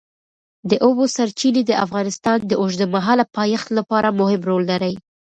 د اوبو سرچینې د افغانستان د اوږدمهاله پایښت لپاره مهم رول لري.